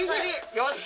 よし。